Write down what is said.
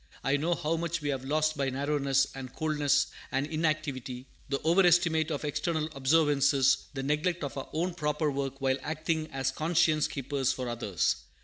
I know how much we have lost by narrowness and coldness and inactivity, the overestimate of external observances, the neglect of our own proper work while acting as conscience keepers for others.